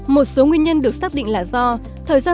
một số nguyên nhân được xác định là do